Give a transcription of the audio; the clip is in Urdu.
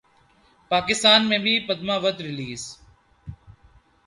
پاکستان میں بھی پدماوت ریلیز